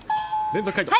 連続解答。